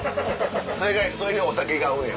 それにお酒が合うねや。